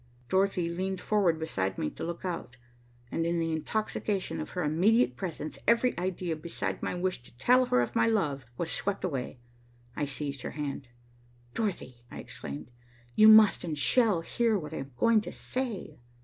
Dorothy leaned forward beside me to look out and in the intoxication of her immediate presence every idea beside my wish to tell her of my love was swept away. I seized her hand. "Dorothy," I exclaimed, "you must and shall hear what I am going to say."